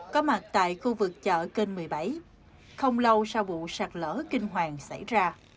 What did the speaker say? có mặt tại khu vực chợ kênh một mươi bảy không lâu sau vụ sạt lở kinh hoàng xảy ra